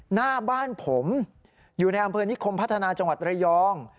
หน้าบ้านผมอยู่ในอำเภอนิคมพัฒนาจังหวัดระยอง